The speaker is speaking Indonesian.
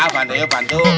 bantu ya bantu